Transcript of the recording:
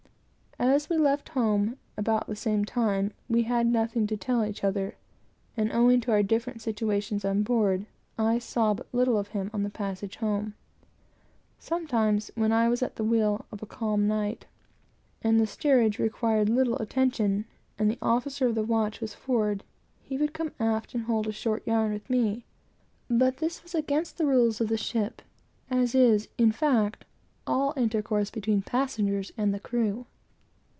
As we left home about the same time, we had nothing to tell one another; and, owing to our different situations on board, I saw but little of him on the passage home. Sometimes, when I was at the wheel of a calm night, and the steering required no attention, and the officer of the watch was forward, he would come aft and hold a short yarn with me; but this was against the rules of the ship, as is, in fact, all intercourse between passengers and the crew.